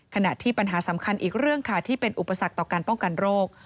ขณะที่ปัญหาสำคัญอีกเรื่องค่ะที่เป็นอุปสรรคต่อการป้องกันโรค